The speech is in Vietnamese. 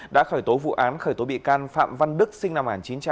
đã khởi tố vụ án khởi tố bị can phạm văn đức sinh năm một nghìn chín trăm tám mươi